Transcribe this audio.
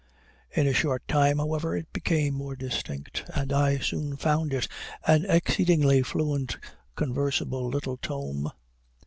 In a short time, however, it became more distinct, and I soon found it an exceedingly fluent conversable little tome.